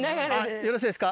よろしいですか？